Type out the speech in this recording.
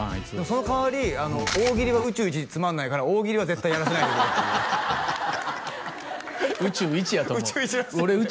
その代わり大喜利は宇宙一つまんないから大喜利は絶対やらせないでくれって宇宙一やと思う